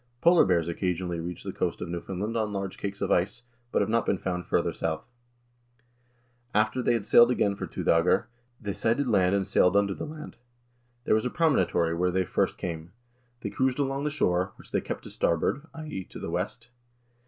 Polar bears occasionally reach the coast of Newfoundland on large cakes of ice, but have not been found farther south. "After they had sailed again for two doegr, they sighted land and sailed under the land. There was a promontory where they first 1 doegr = 12 hours. AMERICA DISCOVERED BY THE NORSEMEN 211 came. They cruised along the shore, which they kept to starboard (i.e. to the west).